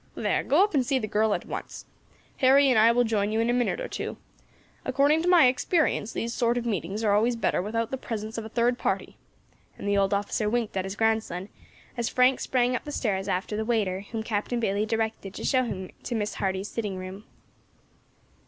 There, go up and see the girl at once, Harry and I will join you in a minute or two; according to my experience, these sort of meetings are always better without the presence of a third party," and the old officer winked at his grandson as Frank sprang up the stairs after the waiter whom Captain Bayley directed to show him to Miss Hardy's sitting room.